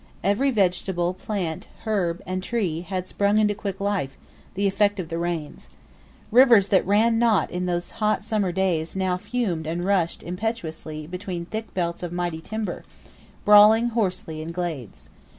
Every vegetable, plant, herb and tree, had sprung into quick life the effect of the rains. Rivers that ran not in those hot summer days now fumed and rushed impetuously between thick belts of mighty timber, brawling hoarsely in the glades.